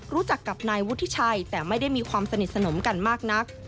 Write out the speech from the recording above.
รู้จักกับนายวุฒิชัยแต่ไม่ได้มีความสนิทสนมกันมากนัก